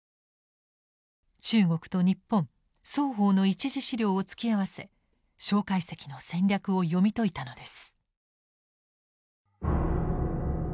中国と日本双方の一次資料を突き合わせ介石の戦略を読み解いたのです。